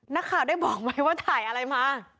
นักข่าวบอกมันไหมเนี่ย